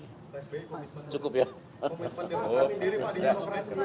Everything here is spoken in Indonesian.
pak sby komis pendidikan sendiri pak dias pemerintah